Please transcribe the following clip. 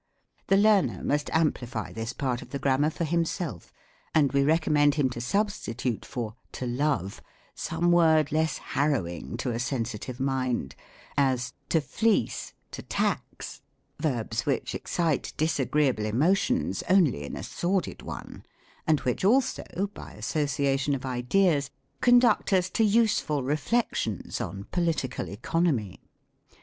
The learner must amplify this part of the Grammar for himself: and we recommend him to substitute for " to love," some word less harrowing to a sensitive mind: as, "to fleece, to tax," verbs which excite disa greeable emotions only in a sordid one ; and which also, by association of ideas, conduct us to useful re flections on Political Economy.